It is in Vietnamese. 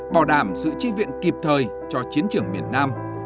bảo đảm sự chi viện kịp thời cho chiến trưởng miền nam